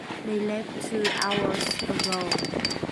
They left two hours ago!